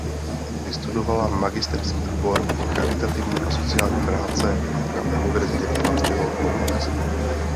Vystudovala magisterský obor Charitativní a sociální práce na Univerzitě Palackého v Olomouci.